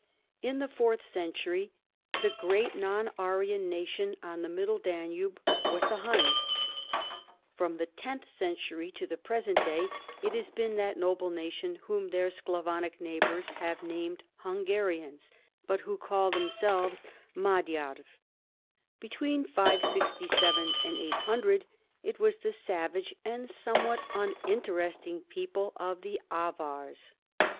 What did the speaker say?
In the fourth century the great non Aryan nation on the Middle Danube was the Huns ; from the tenth century to the present day it has been that noble nation whom their Sclavonic neighbors have named Hungarians, but who call themselves Magyars ; between 567 and 800, it was the savage and somewhat uninteresting people of the Avars.